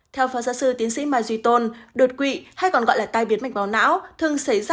theo phó giáo sư tiến sĩ mai duy tôn đột quỵ hay còn gọi là tai biến mạch máu não thường xảy ra